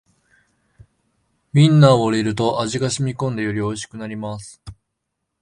ウインナーを入れると味がしみこんでよりおいしくなります